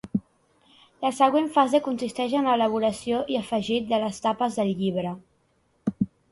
La següent fase consisteix en l'elaboració i afegit de les tapes del llibre.